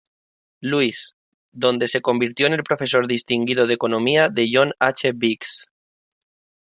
Louis, donde se convirtió en el Profesor Distinguido de Economía de John H. Biggs.